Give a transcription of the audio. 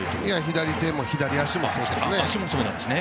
左手も左足もそうですね。